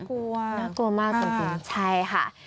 น่ากลัวมาก